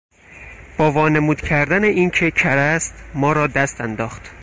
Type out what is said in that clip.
با وانمودن کردن اینکه کر است ما را دست انداخت.